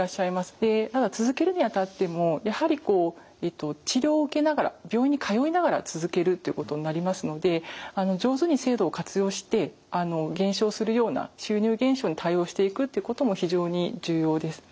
で続けるにあたってもやはり治療を受けながら病院に通いながら続けるということになりますので上手に制度を活用して減少するような収入減少に対応していくってことも非常に重要です。